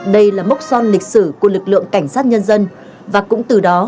đây là mốc son lịch sử của lực lượng cảnh sát nhân dân và cũng từ đó